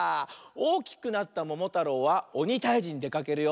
おおきくなったももたろうはおにたいじにでかけるよ。